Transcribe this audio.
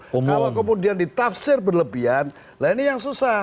kalau kemudian ditafsir berlebihan lah ini yang susah